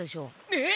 えっ？